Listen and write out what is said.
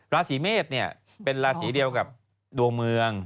ราศีเมษเป็นราศีเดียวกับดวงเมือง